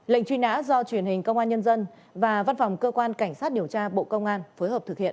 lệnh truy nã do truyền hình công an nhân dân và văn phòng cơ quan cảnh sát điều tra bộ công an phối hợp thực hiện